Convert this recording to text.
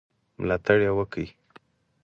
ملاتړ یې وکړ.